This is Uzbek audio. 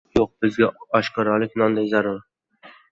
Yo‘q, bizga oshkoralik nonday zarur.